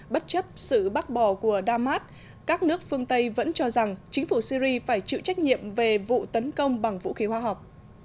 bất chấp sự bác bỏ của damas các nước phương tây vẫn cho rằng chính phủ syri phải chịu trách nhiệm về vụ tấn công bằng vũ khí hóa học